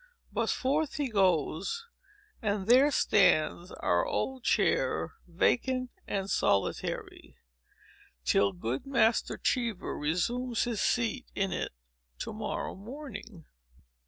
But, forth he goes; and there stands our old chair, vacant and solitary, till good Master Cheever resumes his seat in it to morrow morning.